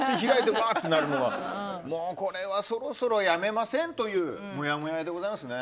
これはもうそろそろやめません？というもやもやでございますね。